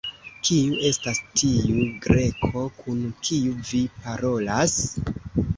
Kiu estas tiu Greko, kun kiu vi parolas?